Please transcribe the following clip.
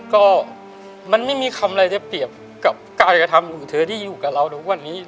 ก็มันไม่มีคำอะไรจะเปรียบกับการกระทำของเธอที่อยู่กับเราทุกวันนี้